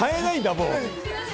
もう。